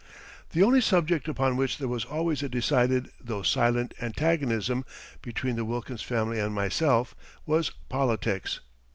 The only subject upon which there was always a decided, though silent, antagonism between the Wilkins family and myself was politics.